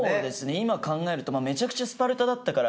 今考えるとメチャクチャスパルタだったから。